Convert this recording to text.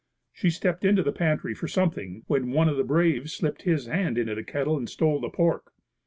She stepped into the pantry for something, when one of the braves slipped his hand into the kettle and stole the pork.